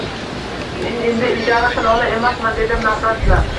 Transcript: Men endi ilgarigi Hilola emasman, dedim nafrat bilan